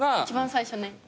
一番最初ね。